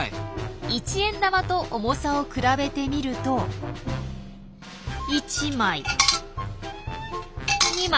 １円玉と重さを比べてみると１枚２枚。